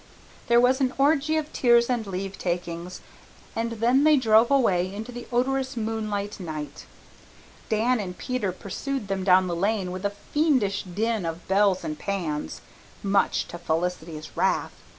There was an orgy of tears and leavetakings, and then they drove away into the odorous moonlight night. Dan and Peter pursued them down the lane with a fiendish din of bells and pans, much to Felicity's wrath.